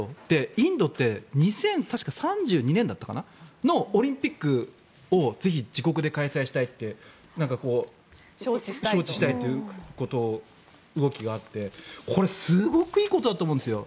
インドって２０３２年だったかなそのオリンピックをぜひ自国で開催したいって招致したいという動きがあってこれ、すごくいいことだと思うんですよ。